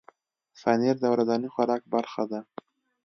پنېر د ورځني خوراک برخه ده.